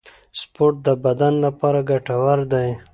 سپورت د بدن لپاره ګټور دی